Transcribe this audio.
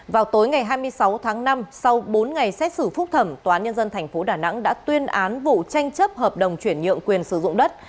vào tối ngày hai mươi sáu tháng năm sau bốn ngày xét xử phúc thẩm tnth đà nẵng đã tuyên án vụ tranh chấp hợp đồng chuyển nhượng quyền sử dụng đất